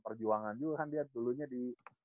perjuangan juga kan dia dulunya di